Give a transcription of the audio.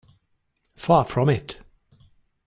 Far from it.